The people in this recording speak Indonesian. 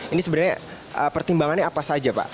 ini sebenarnya pertimbangannya apa saja pak